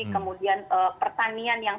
kemudian pertanian yang